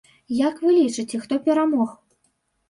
Як вы лічыце, хто перамог?